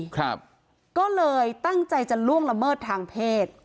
ครับก็เลยตั้งใจจะล่วงละเมิดทางเพศ